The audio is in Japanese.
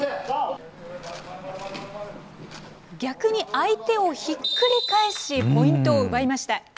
逆に相手をひっくり返し、ポイントを奪いました。